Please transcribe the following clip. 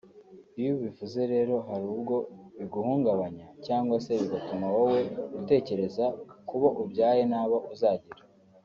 Iyo ubivuze rero hari ubwo biguhungabanya cyangwa se bigatuma wowe utekereza ku bo ubyaye n’abo uzagira